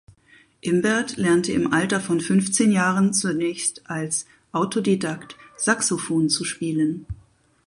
Imbert lernte im Alter von fünfzehn Jahren zunächst als Autodidakt Saxophon zu spielen.